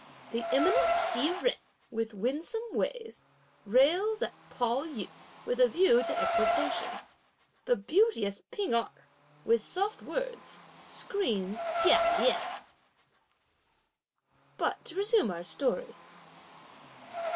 The eminent Hsi Jen, with winsome ways, rails at Pao yü, with a view to exhortation. The beauteous P'ing Erh, with soft words, screens Chia Lien. But to resume our story.